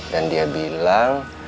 dan dia bilang